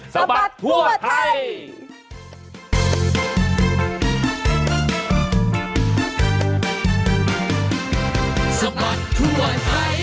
สมัติทั่วไทย